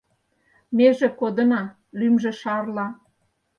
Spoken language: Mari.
Меже кодына, лӱмжӧ шарла.